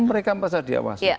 tapi mereka merasa diawasi